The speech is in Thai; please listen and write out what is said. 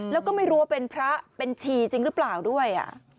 แล้วก็ไม่รู้ว่าเป็นพระเป็นชีจริงหรือเปล่าด้วย